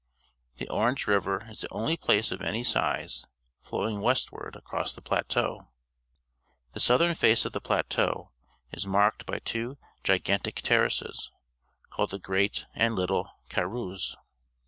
The^Orange River is the onl^ one of any size flowing westward across the plateau. The southern face of the plateau is marked by two gigantic terraces, called the Great a nd Little Karroos.